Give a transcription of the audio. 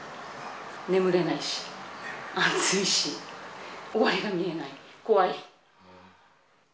眠れないし、暑いし、終わりが見えない、怖い。